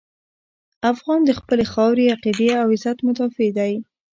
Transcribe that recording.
افغان د خپلې خاورې، عقیدې او عزت مدافع دی.